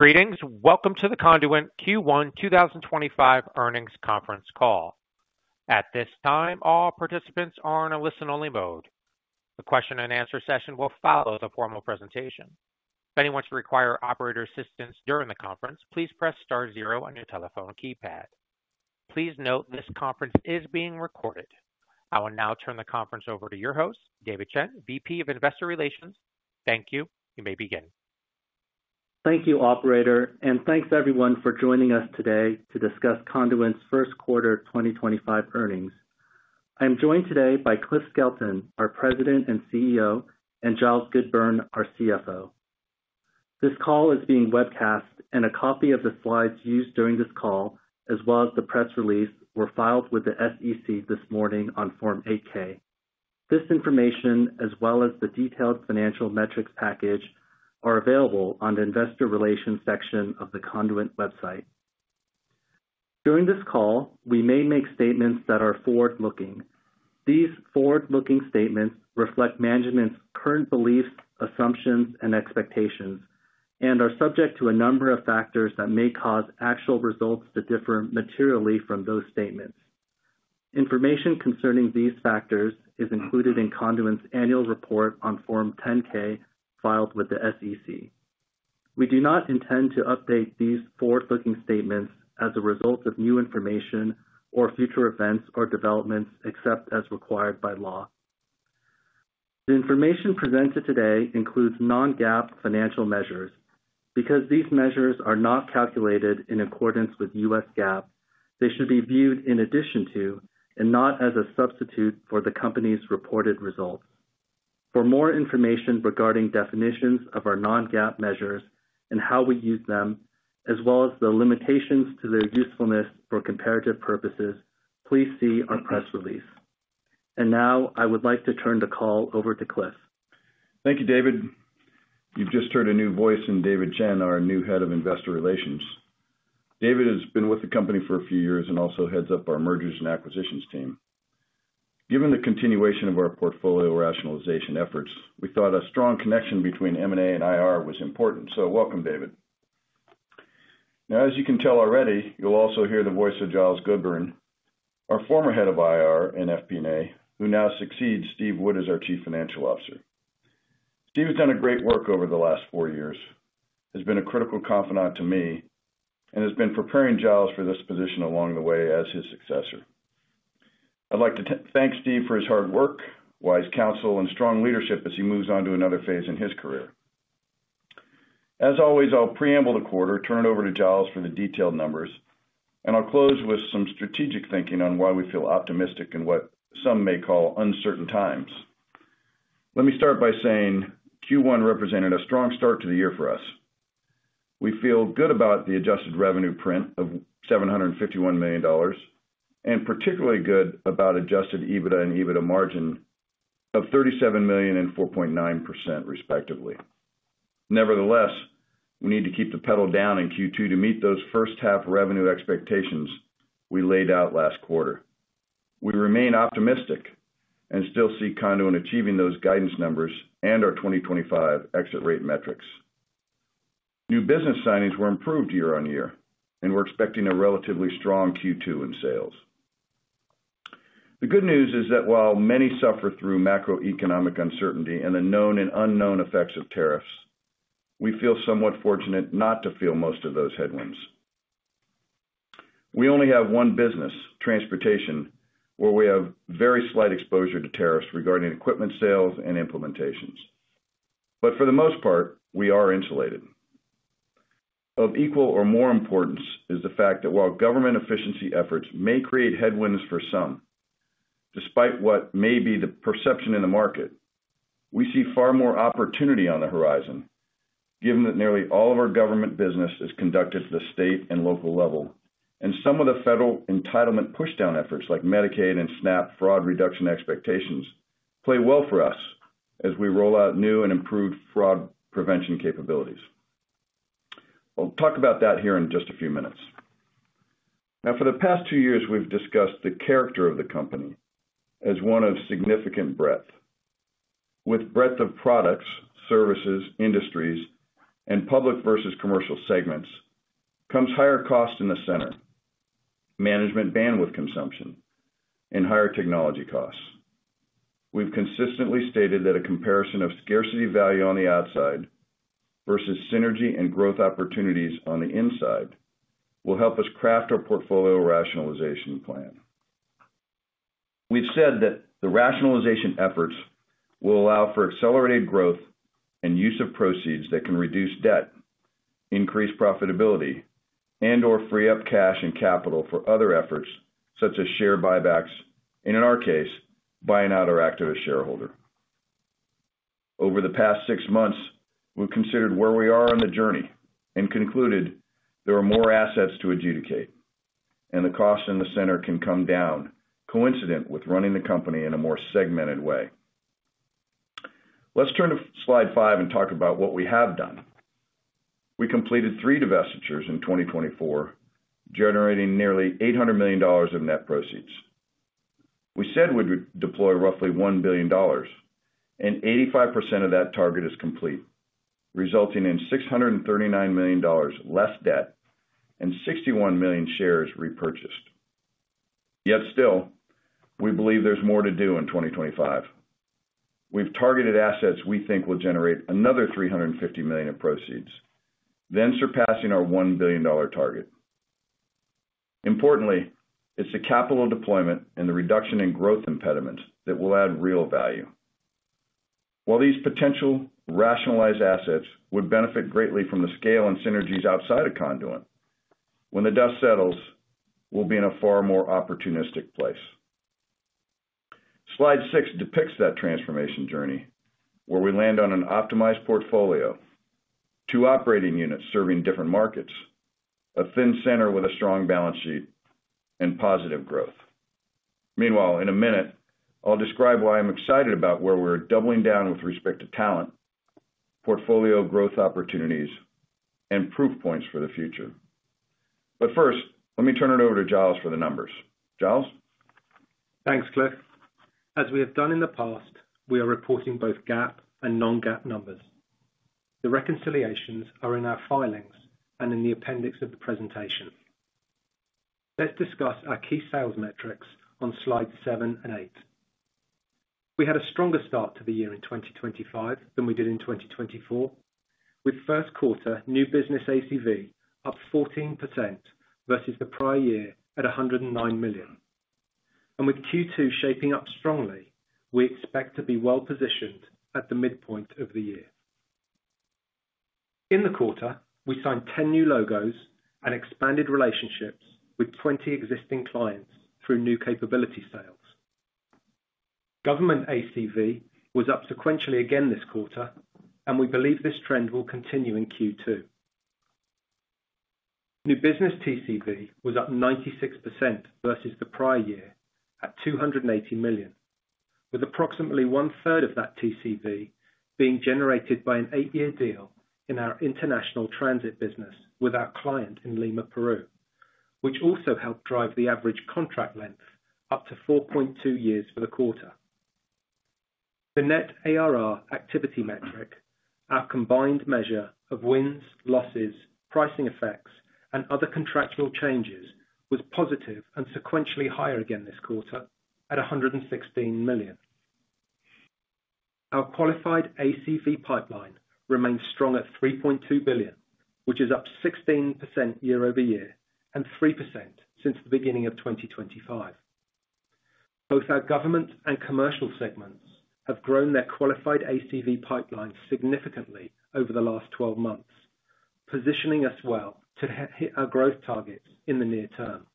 Greetings. Welcome to the Conduent Q1 2025 earnings conference call. At this time, all participants are in a listen-only mode. The question-and-answer session will follow the formal presentation. If anyone should require operator assistance during the conference, please press star zero on your telephone keypad. Please note this conference is being recorded. I will now turn the conference over to your host, David Chen, VP of Investor Relations. Thank you. You may begin. Thank you, Operator, and thanks everyone for joining us today to discuss Conduent's first quarter 2025 earnings. I am joined today by Cliff Skelton, our President and CEO, and Giles Goodburn, our CFO. This call is being webcast, and a copy of the slides used during this call, as well as the press release, were filed with the SEC this morning on Form 8K. This information, as well as the detailed financial metrics package, are available on the Investor Relations section of the Conduent website. During this call, we may make statements that are forward-looking. These forward-looking statements reflect management's current beliefs, assumptions, and expectations, and are subject to a number of factors that may cause actual results to differ materially from those statements. Information concerning these factors is included in Conduent's annual report on Form 10K filed with the SEC. We do not intend to update these forward-looking statements as a result of new information or future events or developments, except as required by law. The information presented today includes non-GAAP financial measures. Because these measures are not calculated in accordance with U.S. GAAP, they should be viewed in addition to, and not as a substitute for, the company's reported results. For more information regarding definitions of our non-GAAP measures and how we use them, as well as the limitations to their usefulness for comparative purposes, please see our press release. I would like to turn the call over to Cliff. Thank you, David. You've just heard a new voice in David Chen, our new Head of Investor Relations. David has been with the company for a few years and also heads up our Mergers and Acquisitions team. Given the continuation of our portfolio rationalization efforts, we thought a strong connection between M&A and IR was important, so welcome, David. Now, as you can tell already, you'll also hear the voice of Giles Goodburn, our former Head of IR and FP&A, who now succeeds Steve Wood as our Chief Financial Officer. Steve has done a great work over the last four years, has been a critical confidant to me, and has been preparing Giles for this position along the way as his successor. I'd like to thank Steve for his hard work, wise counsel, and strong leadership as he moves on to another phase in his career. As always, I'll preamble the quarter, turn it over to Giles for the detailed numbers, and I'll close with some strategic thinking on why we feel optimistic in what some may call uncertain times. Let me start by saying Q1 represented a strong start to the year for us. We feel good about the adjusted revenue print of $751 million, and particularly good about adjusted EBITDA and EBITDA margin of $37 million and 4.9%, respectively. Nevertheless, we need to keep the pedal down in Q2 to meet those first-half revenue expectations we laid out last quarter. We remain optimistic and still see Conduent achieving those guidance numbers and our 2025 exit rate metrics. New business signings were improved year on year, and we're expecting a relatively strong Q2 in sales. The good news is that while many suffer through macroeconomic uncertainty and the known and unknown effects of tariffs, we feel somewhat fortunate not to feel most of those headwinds. We only have one business, transportation, where we have very slight exposure to tariffs regarding equipment sales and implementations. For the most part, we are insulated. Of equal or more importance is the fact that while government efficiency efforts may create headwinds for some, despite what may be the perception in the market, we see far more opportunity on the horizon, given that nearly all of our government business is conducted at the state and local level, and some of the federal entitlement push-down efforts like Medicaid and SNAP fraud reduction expectations play well for us as we roll out new and improved fraud prevention capabilities. I'll talk about that here in just a few minutes. Now, for the past two years, we've discussed the character of the company as one of significant breadth. With breadth of products, services, industries, and public versus commercial segments comes higher costs in the center, management bandwidth consumption, and higher technology costs. We've consistently stated that a comparison of scarcity value on the outside versus synergy and growth opportunities on the inside will help us craft our portfolio rationalization plan. We've said that the rationalization efforts will allow for accelerated growth and use of proceeds that can reduce debt, increase profitability, and/or free up cash and capital for other efforts such as share buybacks and, in our case, buying out our active shareholder. Over the past six months, we've considered where we are on the journey and concluded there are more assets to adjudicate, and the cost in the center can come down, coincident with running the company in a more segmented way. Let's turn to slide five and talk about what we have done. We completed three divestitures in 2024, generating nearly $800 million of net proceeds. We said we'd deploy roughly $1 billion, and 85% of that target is complete, resulting in $639 million less debt and 61 million shares repurchased. Yet still, we believe there's more to do in 2025. We've targeted assets we think will generate another $350 million of proceeds, then surpassing our $1 billion target. Importantly, it's the capital deployment and the reduction in growth impediments that will add real value. While these potential rationalized assets would benefit greatly from the scale and synergies outside of Conduent, when the dust settles, we'll be in a far more opportunistic place. Slide six depicts that transformation journey, where we land on an optimized portfolio, two operating units serving different markets, a thin center with a strong balance sheet, and positive growth. Meanwhile, in a minute, I'll describe why I'm excited about where we're doubling down with respect to talent, portfolio growth opportunities, and proof points for the future. First, let me turn it over to Giles for the numbers. Giles? Thanks, Cliff. As we have done in the past, we are reporting both GAAP and non-GAAP numbers. The reconciliations are in our filings and in the appendix of the presentation. Let's discuss our key sales metrics on slides seven and eight. We had a stronger start to the year in 2025 than we did in 2024, with first quarter new business ACV up 14% versus the prior year at $109 million. With Q2 shaping up strongly, we expect to be well positioned at the midpoint of the year. In the quarter, we signed 10 new logos and expanded relationships with 20 existing clients through new capability sales. Government ACV was up sequentially again this quarter, and we believe this trend will continue in Q2. New business TCV was up 96% versus the prior year at $280 million, with approximately one-third of that TCV being generated by an eight-year deal in our international transit business with our client in Lima, Peru, which also helped drive the average contract length up to 4.2 years for the quarter. The net ARR activity metric, our combined measure of wins, losses, pricing effects, and other contractual changes, was positive and sequentially higher again this quarter at $116 million. Our qualified ACV pipeline remains strong at $3.2 billion, which is up 16% year over year and 3% since the beginning of 2025. Both our government and commercial segments have grown their qualified ACV pipeline significantly over the last 12 months, positioning us well to hit our growth targets in the near term.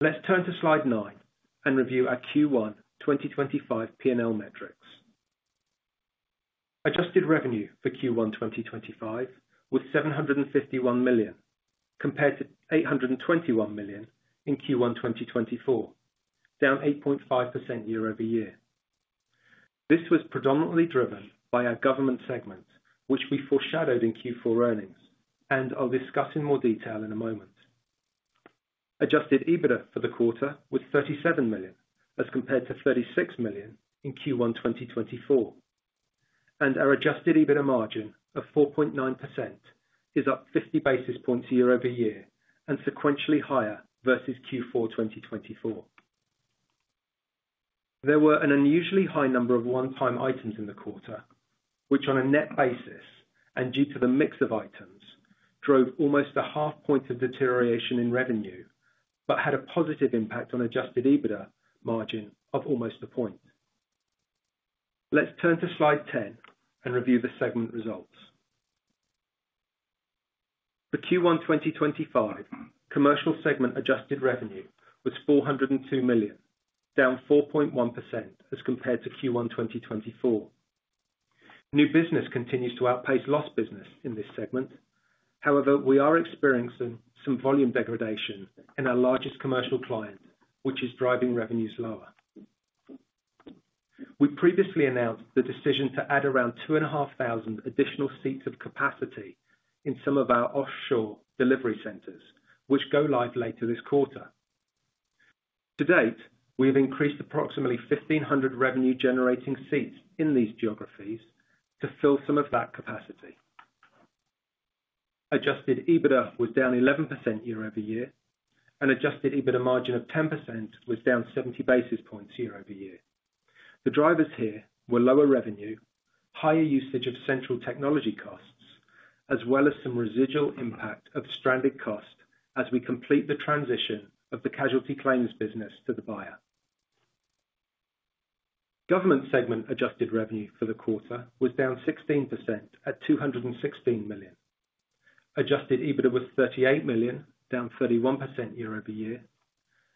Let's turn to slide nine and review our Q1 2025 P&L metrics. Adjusted revenue for Q1 2025 was $751 million, compared to $821 million in Q1 2024, down 8.5% year over year. This was predominantly driven by our government segment, which we foreshadowed in Q4 earnings, and I'll discuss in more detail in a moment. Adjusted EBITDA for the quarter was $37 million, as compared to $36 million in Q1 2024. Our adjusted EBITDA margin of 4.9% is up 50 basis points year over year and sequentially higher versus Q4 2024. There were an unusually high number of one-time items in the quarter, which on a net basis and due to the mix of items drove almost a half-point of deterioration in revenue, but had a positive impact on adjusted EBITDA margin of almost a point. Let's turn to slide ten and review the segment results. For Q1 2025, commercial segment adjusted revenue was $402 million, down 4.1% as compared to Q1 2024. New business continues to outpace lost business in this segment. However, we are experiencing some volume degradation in our largest commercial client, which is driving revenues lower. We previously announced the decision to add around 2,500 additional seats of capacity in some of our offshore delivery centers, which go live later this quarter. To date, we have increased approximately 1,500 revenue-generating seats in these geographies to fill some of that capacity. Adjusted EBITDA was down 11% year over year, and adjusted EBITDA margin of 10% was down 70 basis points year over year. The drivers here were lower revenue, higher usage of central technology costs, as well as some residual impact of stranded cost as we complete the transition of the casualty claims business to the buyer. Government segment adjusted revenue for the quarter was down 16% at $216 million. Adjusted EBITDA was $38 million, down 31% year over year,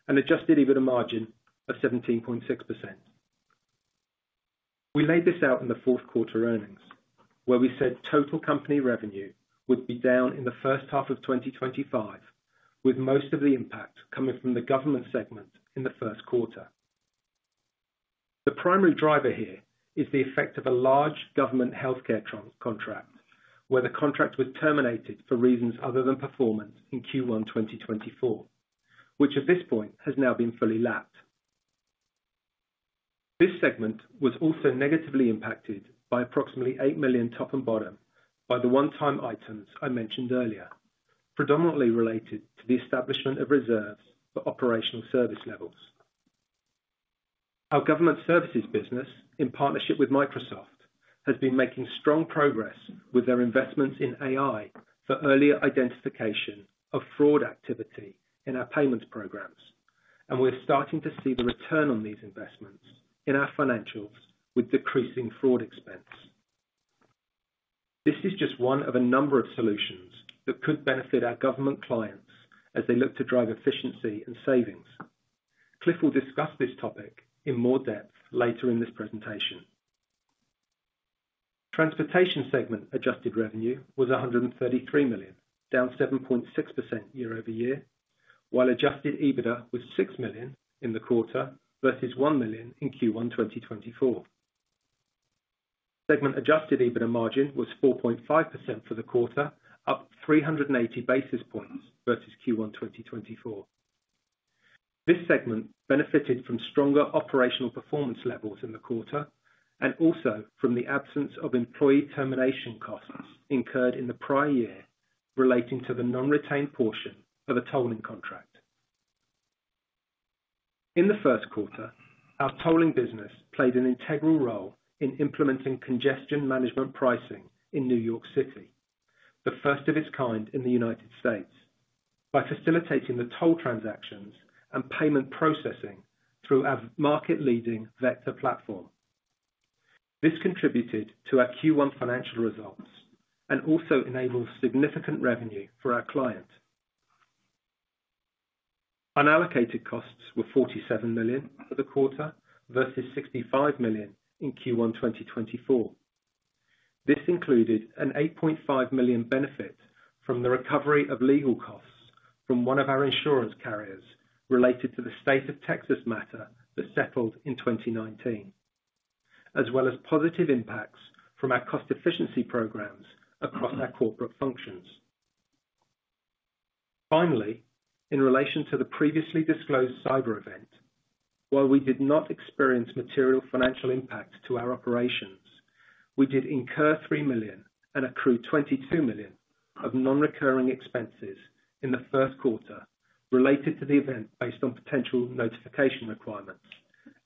and adjusted EBITDA margin of 17.6%. We laid this out in the fourth quarter earnings, where we said total company revenue would be down in the first half of 2025, with most of the impact coming from the government segment in the first quarter. The primary driver here is the effect of a large government healthcare contract, where the contract was terminated for reasons other than performance in Q1 2024, which at this point has now been fully lapped. This segment was also negatively impacted by approximately $8 million top and bottom by the one-time items I mentioned earlier, predominantly related to the establishment of reserves for operational service levels. Our government services business, in partnership with Microsoft, has been making strong progress with their investments in AI for earlier identification of fraud activity in our payments programs, and we're starting to see the return on these investments in our financials with decreasing fraud expense. This is just one of a number of solutions that could benefit our government clients as they look to drive efficiency and savings. Cliff will discuss this topic in more depth later in this presentation. Transportation segment adjusted revenue was $133 million, down 7.6% year-over-year, while adjusted EBITDA was $6 million in the quarter versus $1 million in Q1 2024. Segment adjusted EBITDA margin was 4.5% for the quarter, up 390 basis points versus Q1 2024. This segment benefited from stronger operational performance levels in the quarter and also from the absence of employee termination costs incurred in the prior year relating to the non-retained portion of a tolling contract. In the first quarter, our tolling business played an integral role in implementing congestion management pricing in New York City, the first of its kind in the United States, by facilitating the toll transactions and payment processing through our market-leading Vector platform. This contributed to our Q1 financial results and also enabled significant revenue for our client. Unallocated costs were $47 million for the quarter versus $65 million in Q1 2024. This included an $8.5 million benefit from the recovery of legal costs from one of our insurance carriers related to the state of Texas matter that settled in 2019, as well as positive impacts from our cost efficiency programs across our corporate functions. Finally, in relation to the previously disclosed cyber event, while we did not experience material financial impact to our operations, we did incur $3 million and accrue $22 million of non-recurring expenses in the first quarter related to the event based on potential notification requirements,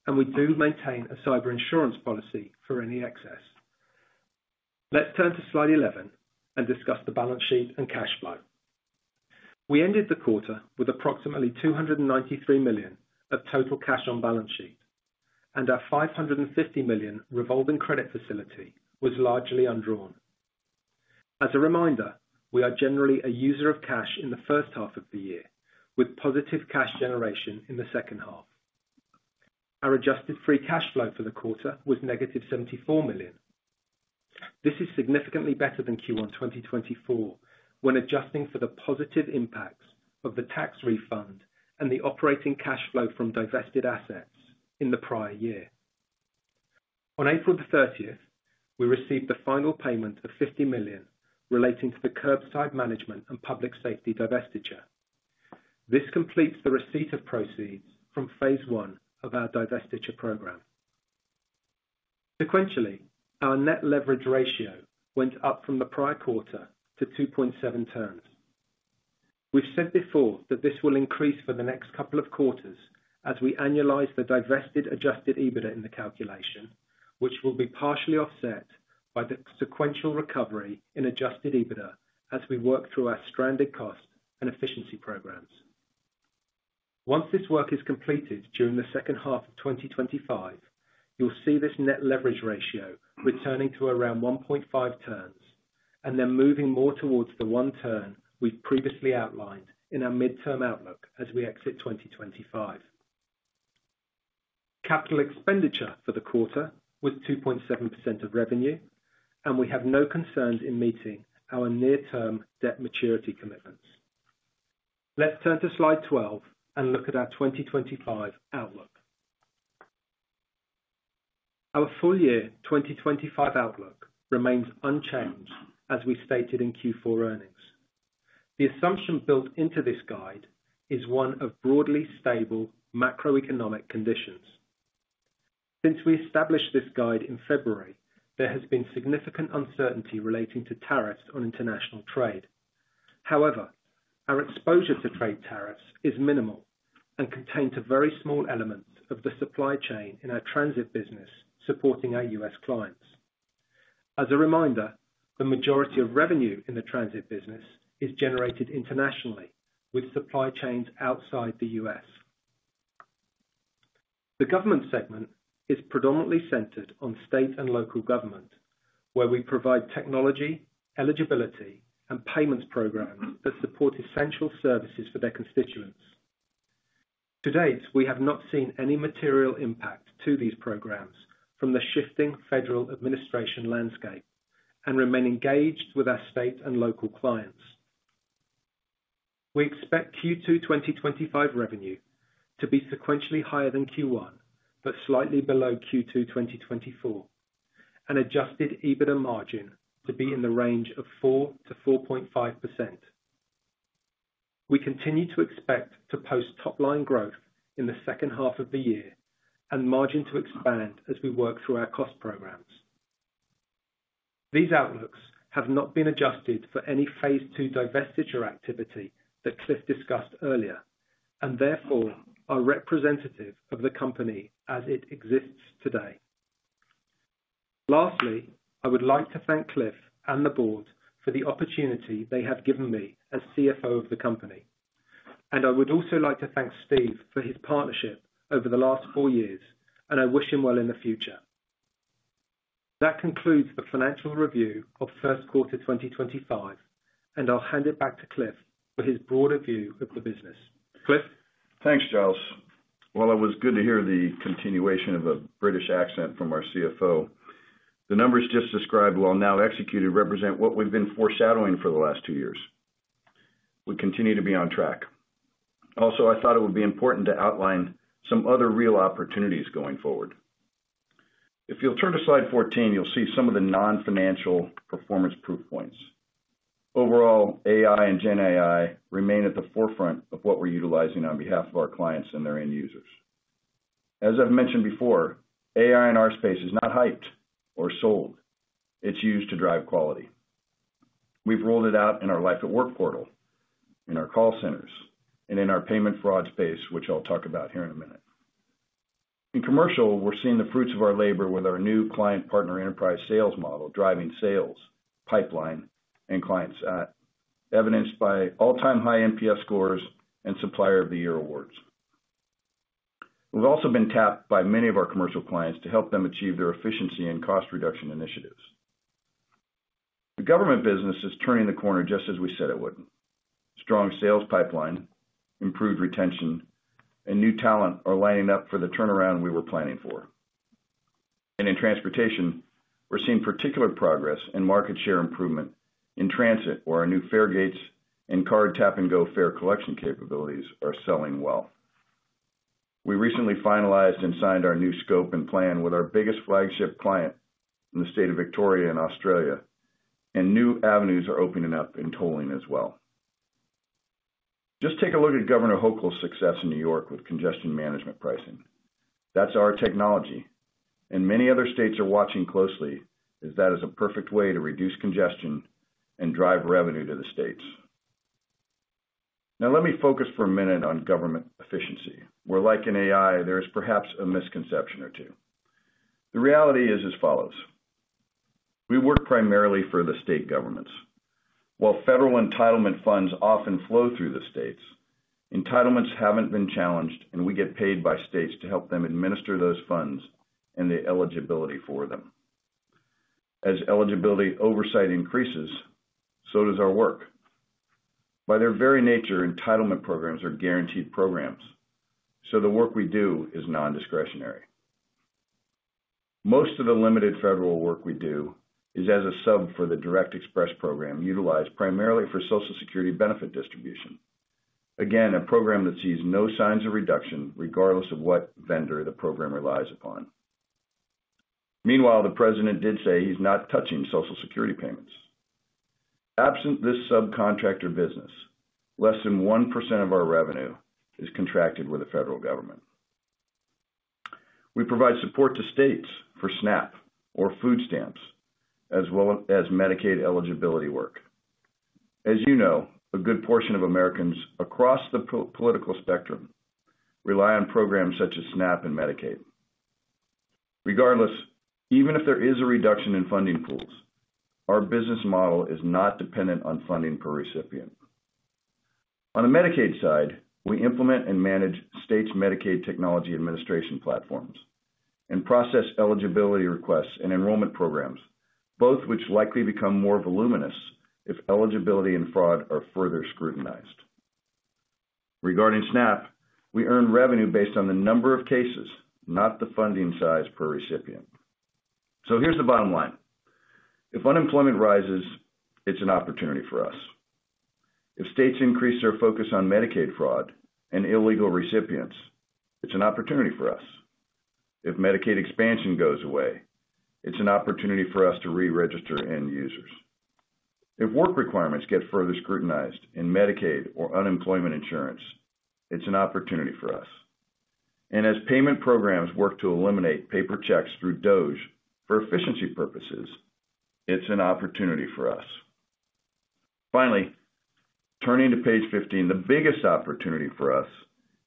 and we do maintain a cyber insurance policy for any excess. Let's turn to slide 11 and discuss the balance sheet and cash flow. We ended the quarter with approximately $293 million of total cash on balance sheet, and our $550 million revolving credit facility was largely undrawn. As a reminder, we are generally a user of cash in the first half of the year, with positive cash generation in the second half. Our adjusted free cash flow for the quarter was negative $74 million. This is significantly better than Q1 2024 when adjusting for the positive impacts of the tax refund and the operating cash flow from divested assets in the prior year. On April 30, we received the final payment of $50 million relating to the curbside management and public safety divestiture. This completes the receipt of proceeds from phase one of our divestiture program. Sequentially, our net leverage ratio went up from the prior quarter to 2.7 turns. We've said before that this will increase for the next couple of quarters as we annualize the divested adjusted EBITDA in the calculation, which will be partially offset by the sequential recovery in adjusted EBITDA as we work through our stranded cost and efficiency programs. Once this work is completed during the second half of 2025, you'll see this net leverage ratio returning to around 1.5 turns and then moving more towards the one turn we've previously outlined in our midterm outlook as we exit 2025. Capital expenditure for the quarter was 2.7% of revenue, and we have no concerns in meeting our near-term debt maturity commitments. Let's turn to slide 12 and look at our 2025 outlook. Our full year 2025 outlook remains unchanged as we stated in Q4 earnings. The assumption built into this guide is one of broadly stable macroeconomic conditions. Since we established this guide in February, there has been significant uncertainty relating to tariffs on international trade. However, our exposure to trade tariffs is minimal and contains a very small element of the supply chain in our transit business supporting our U.S. clients. As a reminder, the majority of revenue in the transit business is generated internationally with supply chains outside the U.S. The government segment is predominantly centered on state and local government, where we provide technology, eligibility, and payments programs that support essential services for their constituents. To date, we have not seen any material impact to these programs from the shifting federal administration landscape and remain engaged with our state and local clients. We expect Q2 2025 revenue to be sequentially higher than Q1, but slightly below Q2 2024, and adjusted EBITDA margin to be in the range of 4%-4.5%. We continue to expect to post top-line growth in the second half of the year and margin to expand as we work through our cost programs. These outlooks have not been adjusted for any phase two divestiture activity that Cliff discussed earlier and therefore are representative of the company as it exists today. Lastly, I would like to thank Cliff and the Board for the opportunity they have given me as CFO of the company. I would also like to thank Steve for his partnership over the last four years, and I wish him well in the future. That concludes the financial review of first quarter 2025, and I'll hand it back to Cliff for his broader view of the business. Cliff? Thanks, Giles. While it was good to hear the continuation of a British accent from our CFO, the numbers just described while now executed represent what we've been foreshadowing for the last two years. We continue to be on track. Also, I thought it would be important to outline some other real opportunities going forward. If you'll turn to slide 14, you'll see some of the non-financial performance proof points. Overall, AI and GenAI remain at the forefront of what we're utilizing on behalf of our clients and their end users. As I've mentioned before, AI in our space is not hyped or sold. It's used to drive quality. We've rolled it out in our Life at Work portal, in our call centers, and in our payment fraud space, which I'll talk about here in a minute. In commercial, we're seeing the fruits of our labor with our new client-partner enterprise sales model driving sales, pipeline, and client stat, evidenced by all-time high NPS scores and Supplier of the Year awards. We've also been tapped by many of our commercial clients to help them achieve their efficiency and cost reduction initiatives. The government business is turning the corner just as we said it would. Strong sales pipeline, improved retention, and new talent are lining up for the turnaround we were planning for. In transportation, we're seeing particular progress and market share improvement in transit, where our new fare gates and card tap-and-go fare collection capabilities are selling well. We recently finalized and signed our new scope and plan with our biggest flagship client in the state of Victoria in Australia, and new avenues are opening up in tolling as well. Just take a look at Governor Hochul's success in New York City with congestion management pricing. That's our technology, and many other states are watching closely as that is a perfect way to reduce congestion and drive revenue to the states. Now, let me focus for a minute on government efficiency. Where like in AI, there is perhaps a misconception or two. The reality is as follows. We work primarily for the state governments. While federal entitlement funds often flow through the states, entitlements have not been challenged, and we get paid by states to help them administer those funds and the eligibility for them. As eligibility oversight increases, so does our work. By their very nature, entitlement programs are guaranteed programs, so the work we do is non-discretionary. Most of the limited federal work we do is as a sub for the Direct Express program utilized primarily for Social Security benefit distribution. Again, a program that sees no signs of reduction regardless of what vendor the program relies upon. Meanwhile, the president did say he is not touching Social Security payments. Absent this subcontractor business, less than 1% of our revenue is contracted with the federal government. We provide support to states for SNAP or food stamps, as well as Medicaid eligibility work. As you know, a good portion of Americans across the political spectrum rely on programs such as SNAP and Medicaid. Regardless, even if there is a reduction in funding pools, our business model is not dependent on funding per recipient. On the Medicaid side, we implement and manage states' Medicaid technology administration platforms and process eligibility requests and enrollment programs, both which likely become more voluminous if eligibility and fraud are further scrutinized. Regarding SNAP, we earn revenue based on the number of cases, not the funding size per recipient. Here's the bottom line. If unemployment rises, it's an opportunity for us. If states increase their focus on Medicaid fraud and illegal recipients, it's an opportunity for us. If Medicaid expansion goes away, it's an opportunity for us to re-register end users. If work requirements get further scrutinized in Medicaid or unemployment insurance, it's an opportunity for us. As payment programs work to eliminate paper checks through DOGE for efficiency purposes, it's an opportunity for us. Finally, turning to page 15, the biggest opportunity for us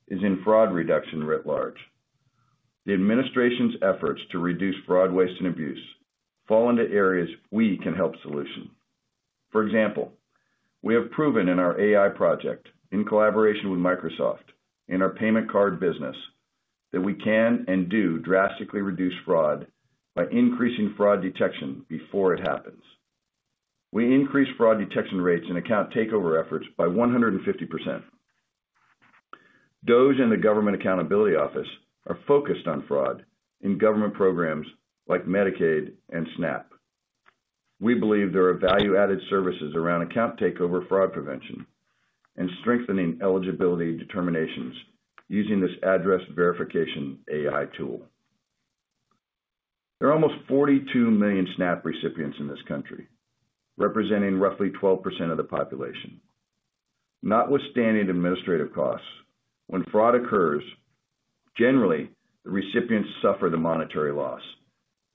is in fraud reduction writ large. The administration's efforts to reduce fraud, waste, and abuse fall into areas we can help solution. For example, we have proven in our AI project in collaboration with Microsoft in our payment card business that we can and do drastically reduce fraud by increasing fraud detection before it happens. We increase fraud detection rates and account takeover efforts by 150%. DOGE and the Government Accountability Office are focused on fraud in government programs like Medicaid and SNAP. We believe there are value-added services around account takeover, fraud prevention, and strengthening eligibility determinations using this address verification AI tool. There are almost 42 million SNAP recipients in this country, representing roughly 12% of the population. Notwithstanding administrative costs, when fraud occurs, generally the recipients suffer the monetary loss,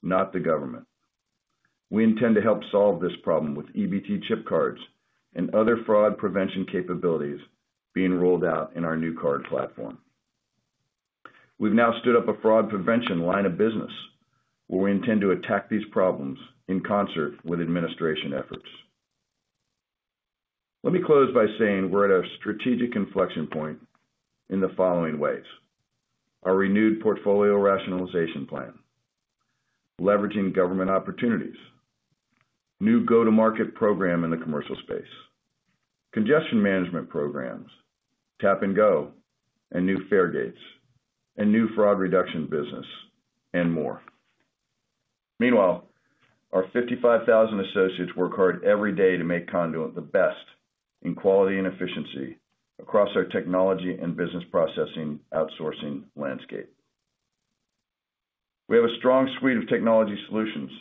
not the government. We intend to help solve this problem with EBT chip cards and other fraud prevention capabilities being rolled out in our new card platform. We've now stood up a fraud prevention line of business where we intend to attack these problems in concert with administration efforts. Let me close by saying we're at a strategic inflection point in the following ways: our renewed portfolio rationalization plan, leveraging government opportunities, new go-to-market program in the commercial space, congestion management programs, tap-and-go, and new fare gates, and new fraud reduction business, and more. Meanwhile, our 55,000 associates work hard every day to make Conduent the best in quality and efficiency across our technology and business process outsourcing landscape. We have a strong suite of technology solutions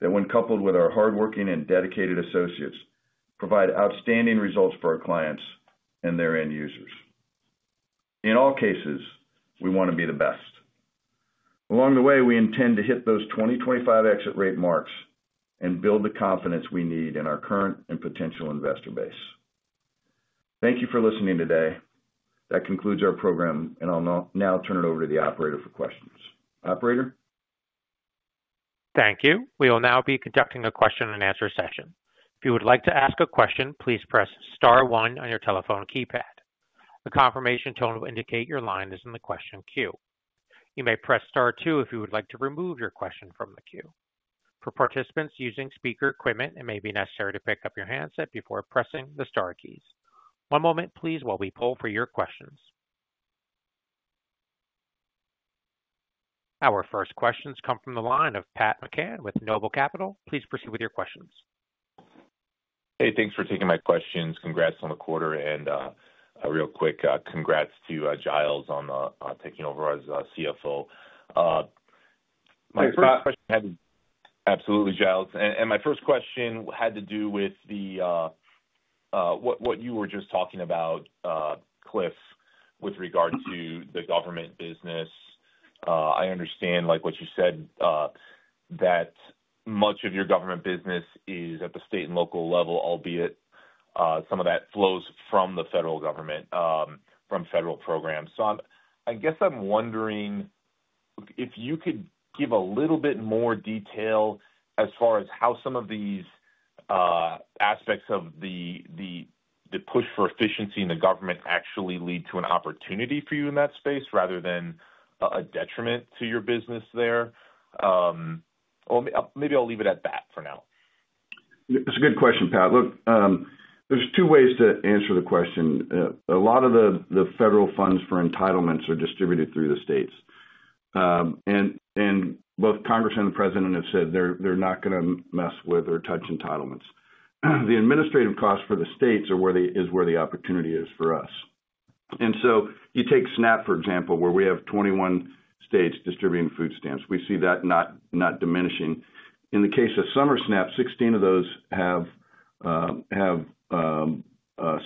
that, when coupled with our hardworking and dedicated associates, provide outstanding results for our clients and their end users. In all cases, we want to be the best. Along the way, we intend to hit those 2025 exit rate marks and build the confidence we need in our current and potential investor base. Thank you for listening today. That concludes our program, and I'll now turn it over to the operator for questions. Operator? Thank you. We will now be conducting a question-and-answer session. If you would like to ask a question, please press star one on your telephone keypad. The confirmation tone will indicate your line is in the question queue. You may press star two if you would like to remove your question from the queue. For participants using speaker equipment, it may be necessary to pick up your handset before pressing the star keys. One moment, please, while we pull for your questions. Our first questions come from the line of Pat McCann with Noble Capital. Please proceed with your questions. Hey, thanks for taking my questions. Congrats on the quarter. A real quick congrats to Giles on taking over as CFO. My first question had to—absolutely, Giles. My first question had to do with what you were just talking about, Cliff, with regard to the government business. I understand what you said, that much of your government business is at the state and local level, albeit some of that flows from the federal government, from federal programs. I guess I'm wondering if you could give a little bit more detail as far as how some of these aspects of the push for efficiency in the government actually lead to an opportunity for you in that space rather than a detriment to your business there. Maybe I'll leave it at that for now. It's a good question, Pat. Look, there's two ways to answer the question. A lot of the federal funds for entitlements are distributed through the states. Both Congress and the president have said they're not going to mess with or touch entitlements. The administrative costs for the states are where the opportunity is for us. You take SNAP, for example, where we have 21 states distributing food stamps. We see that not diminishing. In the case of summer SNAP, 16 of those have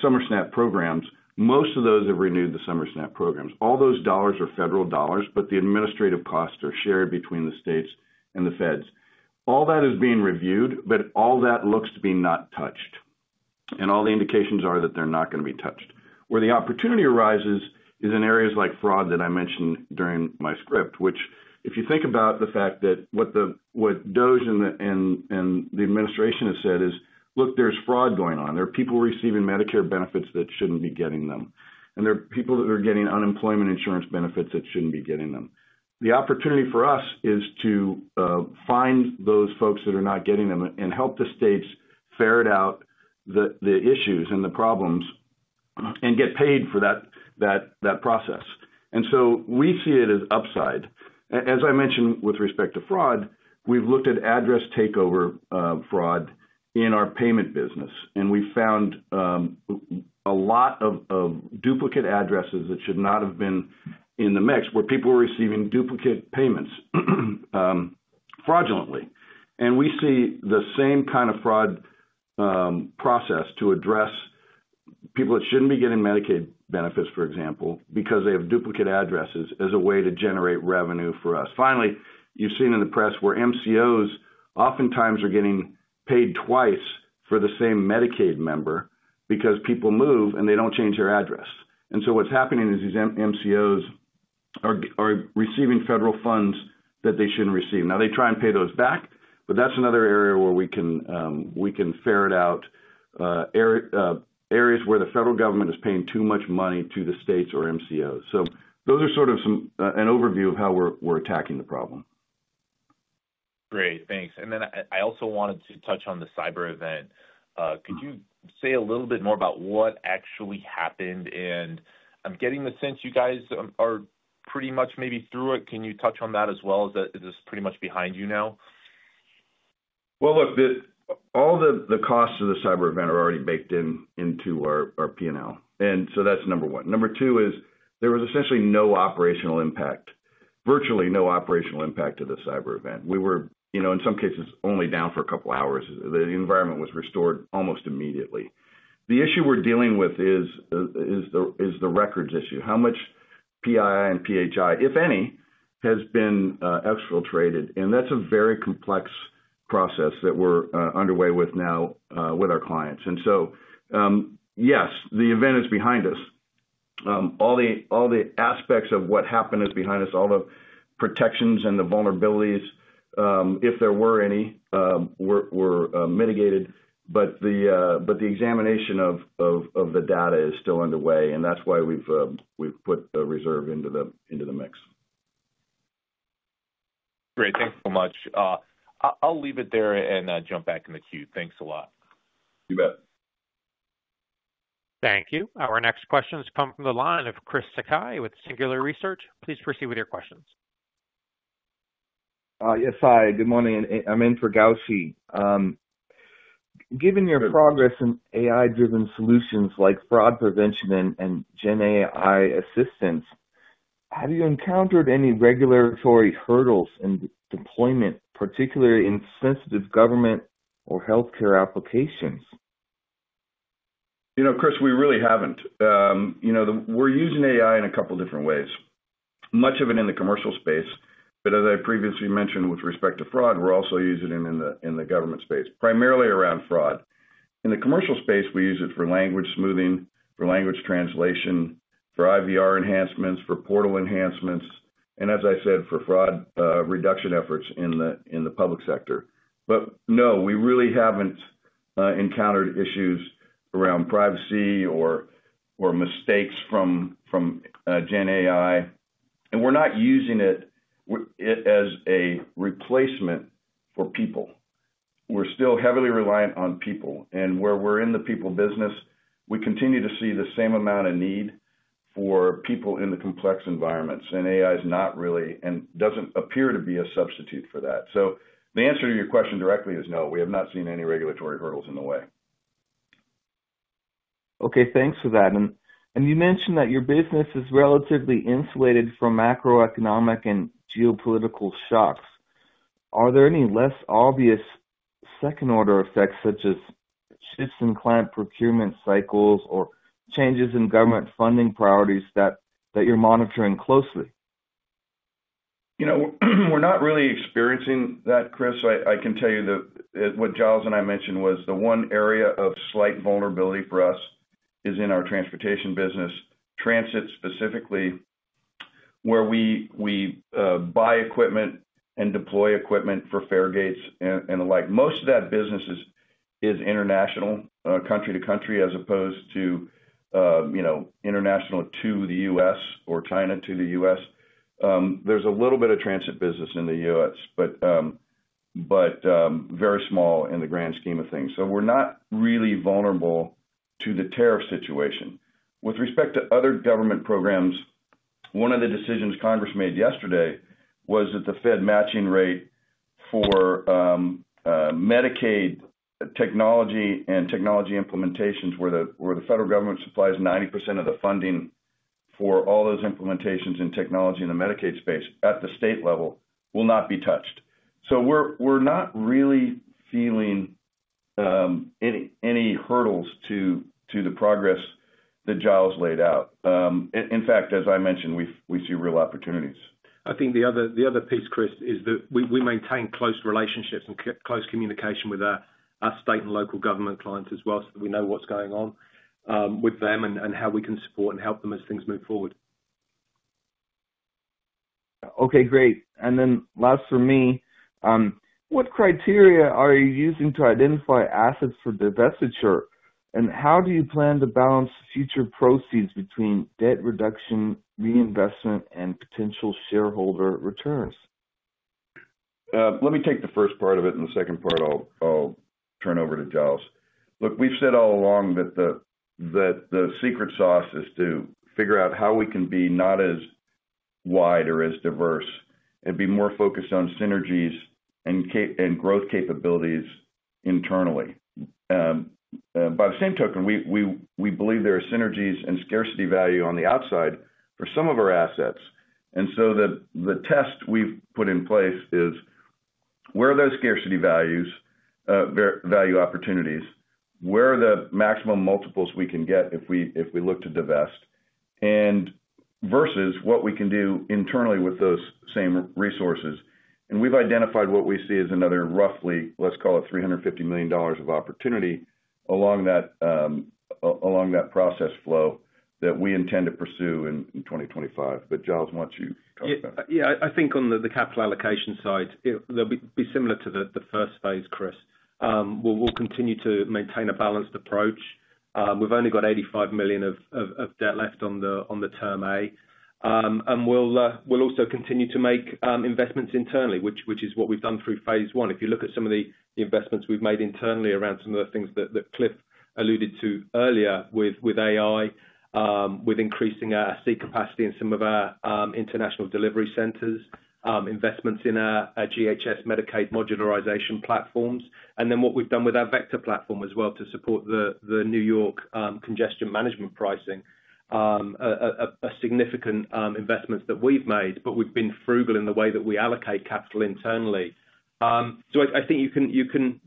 summer SNAP programs. Most of those have renewed the summer SNAP programs. All those dollars are federal dollars, but the administrative costs are shared between the states and the feds. All that is being reviewed, but all that looks to be not touched. All the indications are that they're not going to be touched. Where the opportunity arises is in areas like fraud that I mentioned during my script, which, if you think about the fact that what DOGE and the administration has said is, "Look, there's fraud going on. There are people receiving Medicare benefits that shouldn't be getting them. And there are people that are getting unemployment insurance benefits that shouldn't be getting them." The opportunity for us is to find those folks that are not getting them and help the states ferret out the issues and the problems and get paid for that process. We see it as upside. As I mentioned with respect to fraud, we've looked at address takeover fraud in our payment business. We found a lot of duplicate addresses that should not have been in the mix where people were receiving duplicate payments fraudulently. We see the same kind of fraud process to address people that should not be getting Medicaid benefits, for example, because they have duplicate addresses as a way to generate revenue for us. Finally, you have seen in the press where MCOs oftentimes are getting paid twice for the same Medicaid member because people move and they do not change their address. What is happening is these MCOs are receiving federal funds that they should not receive. They try and pay those back, but that is another area where we can ferret out areas where the federal government is paying too much money to the states or MCOs. Those are sort of an overview of how we are attacking the problem. Great. Thanks. I also wanted to touch on the cyber event. Could you say a little bit more about what actually happened? I'm getting the sense you guys are pretty much maybe through it. Can you touch on that as well? Is this pretty much behind you now? All the costs of the cyber event are already baked into our P&L. That's number one. Number two is there was essentially no operational impact, virtually no operational impact to the cyber event. We were, in some cases, only down for a couple of hours. The environment was restored almost immediately. The issue we're dealing with is the records issue. How much PII and PHI, if any, has been exfiltrated? That's a very complex process that we're underway with now with our clients. Yes, the event is behind us. All the aspects of what happened are behind us. All the protections and the vulnerabilities, if there were any, were mitigated. But the examination of the data is still underway, and that's why we've put a reserve into the mix. Great. Thanks so much. I'll leave it there and jump back in the queue. Thanks a lot. You bet. Thank you. Our next questions come from the line of Chris Sakai with Singular Research. Please proceed with your questions. Yes, hi. Good morning. I'm in for Gaushi. Given your progress in AI-driven solutions like fraud prevention and GenAI assistance, have you encountered any regulatory hurdles in deployment, particularly in sensitive government or healthcare applications? You know, Chris, we really haven't. We're using AI in a couple of different ways. Much of it in the commercial space, but as I previously mentioned with respect to fraud, we're also using it in the government space, primarily around fraud. In the commercial space, we use it for language smoothing, for language translation, for IVR enhancements, for portal enhancements, and as I said, for fraud reduction efforts in the public sector. No, we really have not encountered issues around privacy or mistakes from GenAI. We are not using it as a replacement for people. We are still heavily reliant on people. Where we are in the people business, we continue to see the same amount of need for people in the complex environments. AI is not really and does not appear to be a substitute for that. The answer to your question directly is no. We have not seen any regulatory hurdles in the way. Okay. Thanks for that. You mentioned that your business is relatively insulated from macroeconomic and geopolitical shocks. Are there any less obvious second-order effects, such as shifts in client procurement cycles or changes in government funding priorities that you're monitoring closely? We're not really experiencing that, Chris. I can tell you that what Giles and I mentioned was the one area of slight vulnerability for us is in our transportation business, transit specifically, where we buy equipment and deploy equipment for fare gates and the like. Most of that business is international, country-to-country, as opposed to international to the U.S. or China to the U.S. There's a little bit of transit business in the U.S., but very small in the grand scheme of things. So we're not really vulnerable to the tariff situation. With respect to other government programs, one of the decisions Congress made yesterday was that the Fed matching rate for Medicaid technology and technology implementations where the federal government supplies 90% of the funding for all those implementations and technology in the Medicaid space at the state level will not be touched. So we're not really feeling any hurdles to the progress that Giles laid out. In fact, as I mentioned, we see real opportunities. I think the other piece, Chris, is that we maintain close relationships and close communication with our state and local government clients as well so that we know what's going on with them and how we can support and help them as things move forward. Okay. Great. And then last for me, what criteria are you using to identify assets for divestiture? How do you plan to balance future proceeds between debt reduction, reinvestment, and potential shareholder returns? Let me take the first part of it, and the second part I'll turn over to Giles. Look, we've said all along that the secret sauce is to figure out how we can be not as wide or as diverse and be more focused on synergies and growth capabilities internally. By the same token, we believe there are synergies and scarcity value on the outside for some of our assets. The test we've put in place is where are those scarcity value opportunities, where are the maximum multiples we can get if we look to divest, versus what we can do internally with those same resources. We've identified what we see as another roughly, let's call it $350 million of opportunity along that process flow that we intend to pursue in 2025. Giles, why don't you cover that? Yeah. I think on the capital allocation side, it'll be similar to the first phase, Chris. We'll continue to maintain a balanced approach. We've only got $85 million of debt left on the term A. We'll also continue to make investments internally, which is what we've done through phase one. If you look at some of the investments we've made internally around some of the things that Cliff alluded to earlier with AI, with increasing our seat capacity in some of our international delivery centers, investments in our GHS Medicaid modularization platforms, and then what we've done with our Vector platform as well to support the New York congestion management pricing, a significant investment that we've made, but we've been frugal in the way that we allocate capital internally. I think you can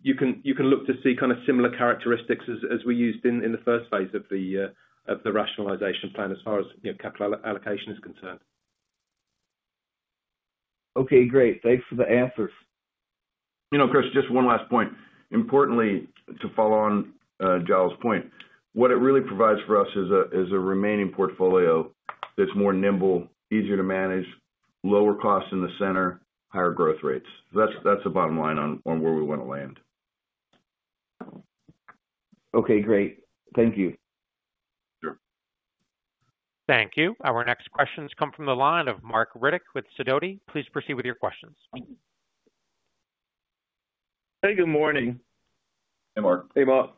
look to see kind of similar characteristics as we used in the first phase of the rationalization plan as far as capital allocation is concerned. Okay. Great. Thanks for the answers. You know, Chris, just one last point, Importantly, to follow on Giles' point, what it really provides for us is a remaining portfolio that's more nimble, easier to manage, lower costs in the center, higher growth rates. That's the bottom line on where we want to land. Okay. Great. Thank you. Sure. Thank you. Our next questions come from the line of Marc Riddick with Sidoti. Please proceed with your questions. Hey, good morning. Hey, Marc. Hey, Marc.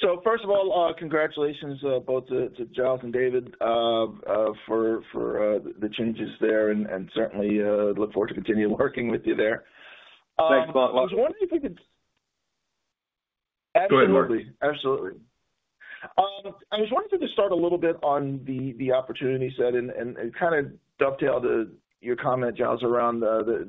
So first of all, congratulations both to Giles and David for the changes there, and certainly look forward to continuing working with you there. Thanks a lot. I was wondering if we could. Go ahead, Marc. Absolutely. I was wondering if we could start a little bit on the opportunity set and kind of dovetail to your comment, Giles, around the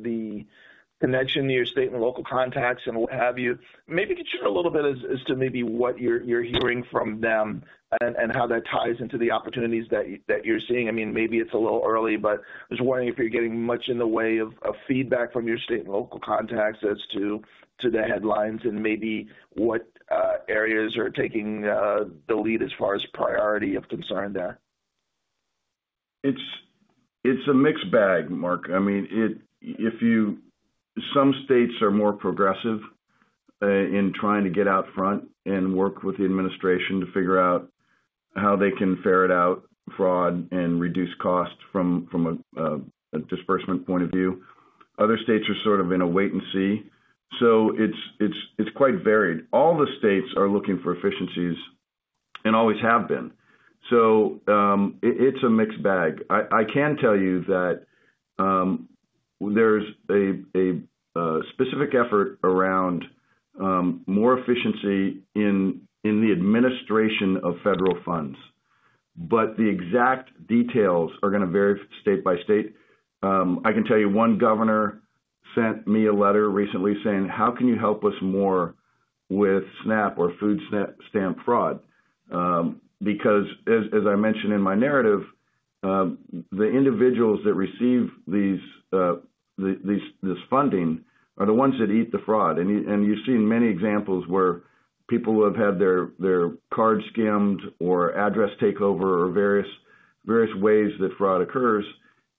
connection to your state and local contacts and what have you. Maybe could you share a little bit as to maybe what you're hearing from them and how that ties into the opportunities that you're seeing? I mean, maybe it's a little early, but I was wondering if you're getting much in the way of feedback from your state and local contacts as to the headlines and maybe what areas are taking the lead as far as priority of concern there. It's a mixed bag, Marc. I mean, some states are more progressive in trying to get out front and work with the administration to figure out how they can ferret out fraud and reduce costs from a disbursement point of view. Other states are sort of in a wait-and-see. It's quite varied. All the states are looking for efficiencies and always have been. It's a mixed bag. I can tell you that there's a specific effort around more efficiency in the administration of federal funds. The exact details are going to vary state by state. I can tell you one governor sent me a letter recently saying, "How can you help us more with SNAP or food stamp fraud?" As I mentioned in my narrative, the individuals that receive this funding are the ones that eat the fraud. You have seen many examples where people who have had their card skimmed or address takeover or various ways that fraud occurs.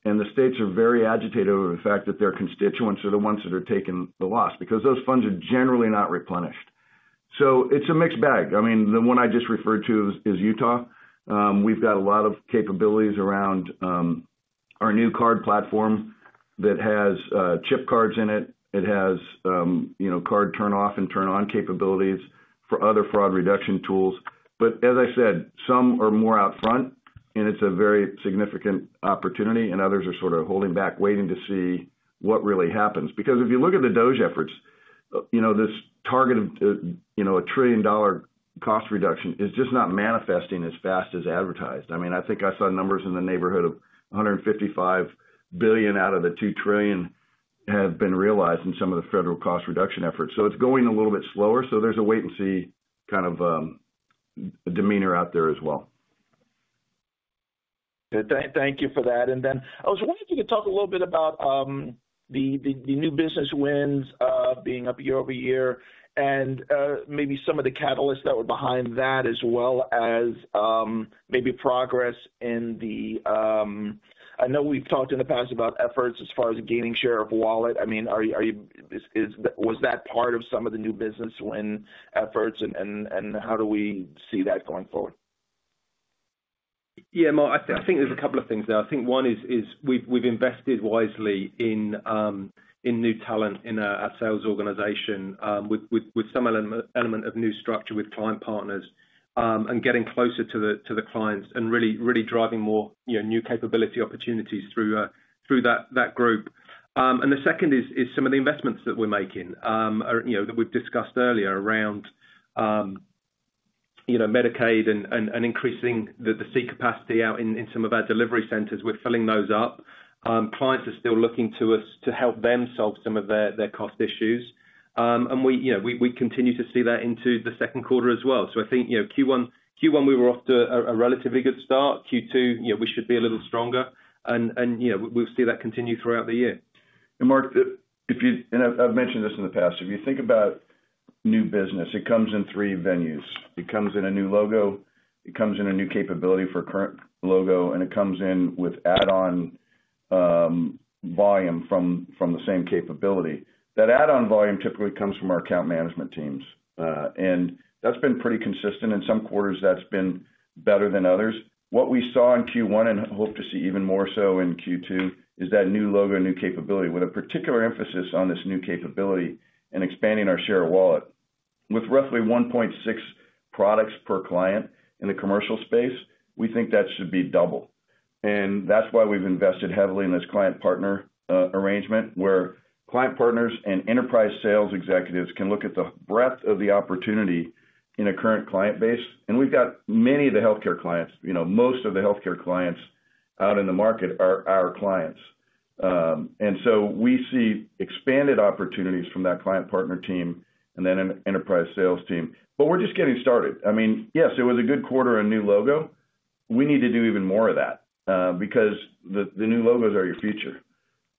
The states are very agitated over the fact that their constituents are the ones that are taking the loss because those funds are generally not replenished. It is a mixed bag. I mean, the one I just referred to is Utah. We've got a lot of capabilities around our new card platform that has chip cards in it. It has card turn-off and turn-on capabilities for other fraud reduction tools. But as I said, some are more out front, and it's a very significant opportunity, and others are sort of holding back, waiting to see what really happens. Because if you look at the DOGE efforts, this target of a trillion-dollar cost reduction is just not manifesting as fast as advertised. I mean, I think I saw numbers in the neighborhood of $155 billion out of the $2 trillion have been realized in some of the federal cost reduction efforts. So it's going a little bit slower. So there's a wait-and-see kind of demeanor out there as well. Thank you for that. I was wondering if you could talk a little bit about the new business wins being up year over year and maybe some of the catalysts that were behind that, as well as maybe progress in the I know we've talked in the past about efforts as far as gaining share of wallet. I mean, was that part of some of the new business win efforts, and how do we see that going forward? Yeah, Marc, I think there's a couple of things there. I think one is we've invested wisely in new talent in our sales organization with some element of new structure with client partners and getting closer to the clients and really driving more new capability opportunities through that group. The second is some of the investments that we are making that we have discussed earlier around Medicaid and increasing the seat capacity out in some of our delivery centers. We are filling those up. Clients are still looking to us to help them solve some of their cost issues. We continue to see that into the second quarter as well. I think Q1, we were off to a relatively good start. Q2, we should be a little stronger. We will see that continue throughout the year. Marc, I have mentioned this in the past. If you think about new business, it comes in three venues. It comes in a new logo. It comes in a new capability for a current logo. It comes in with add-on volume from the same capability. That add-on volume typically comes from our account management teams. That has been pretty consistent. In some quarters, that's been better than others. What we saw in Q1 and hope to see even more so in Q2 is that new logo, new capability, with a particular emphasis on this new capability and expanding our share of wallet. With roughly 1.6 products per client in the commercial space, we think that should be double. That's why we've invested heavily in this client-partner arrangement, where client partners and enterprise sales executives can look at the breadth of the opportunity in a current client base. We've got many of the healthcare clients. Most of the healthcare clients out in the market are our clients. We see expanded opportunities from that client-partner team and then an enterprise sales team. We're just getting started. I mean, yes, it was a good quarter and new logo. We need to do even more of that because the new logos are your future.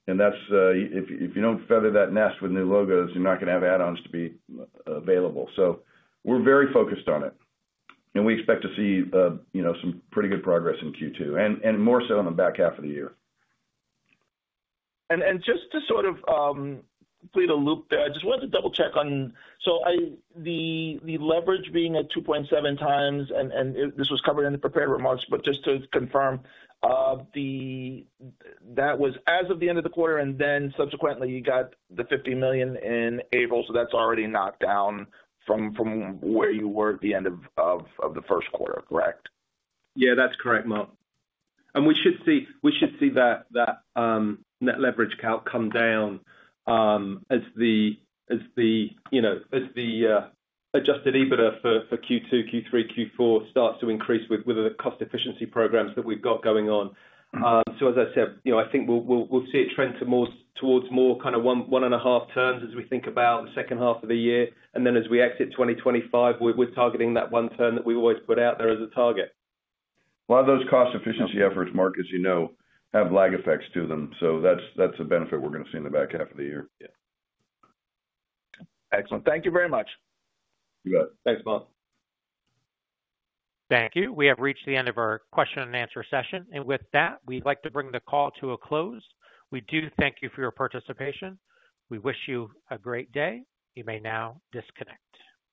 If you don't feather that nest with new logos, you're not going to have add-ons to be available. We are very focused on it. We expect to see some pretty good progress in Q2 and more so in the back half of the year. Just to sort of complete a loop there, I just wanted to double-check on the leverage being at 2.7 times, and this was covered in the prepared remarks, but just to confirm, that was as of the end of the quarter, and then subsequently you got the $50 million in April. That's already knocked down from where you were at the end of the first quarter, correct? Yeah, that's correct, Marc. We should see that net leverage count come down as the adjusted EBITDA for Q2, Q3, Q4 starts to increase with the cost efficiency programs that we've got going on. As I said, I think we'll see it trend towards more kind of one and a half turns as we think about the second half of the year. As we exit 2025, we're targeting that one turn that we've always put out there as a target. Those cost efficiency efforts, Marc, as you know, have lag effects to them. That's a benefit we're going to see in the back half of the year. Yeah. Excellent. Thank you very much. You bet. Thanks, Marc. Thank you. We have reached the end of our question and answer session. With that, we'd like to bring the call to a close. We do thank you for your participation. We wish you a great day. You may now disconnect.